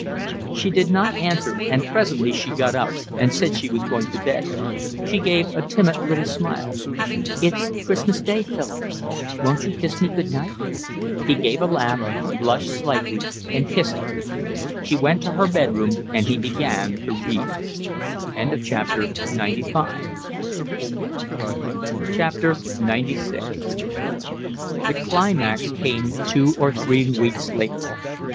She did not answer, and presently she got up and said she was going to bed. She gave a timid little smile. "It's Christmas Day, Philip, won't you kiss me good night?" He gave a laugh, blushed slightly, and kissed her. She went to her bed room and he began to read. XCVI The climax came two or three weeks later.